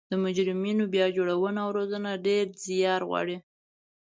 د مجرمینو بیا جوړونه او روزنه ډیر ځیار غواړي